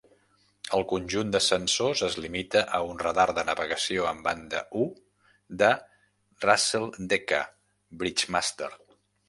El conjunt de sensors es limita a un radar de navegació en banda I de Racel Decca Bridgemaster.